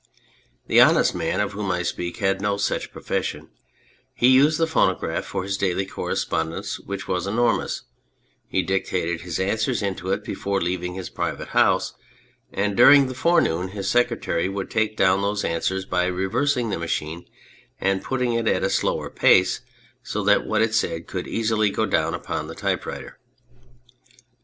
The Honest Man of whom I speak had no such profession ; he used the phonograph for his daily correspondence, which was enormous ; he dictated his answers into it before leaving his private house, and during the forenoon his secretary would take down those answers by reversing the machine and putting it at a slower pace so that what it said could easily go down upon the typewriter.